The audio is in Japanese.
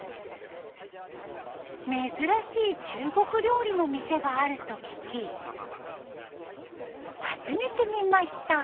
珍しい中国料理の店があると聞き訪ねてみました。